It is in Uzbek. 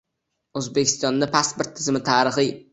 O‘zbekistonda pasport tizimi tarixi